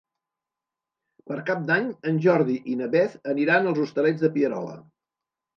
Per Cap d'Any en Jordi i na Beth aniran als Hostalets de Pierola.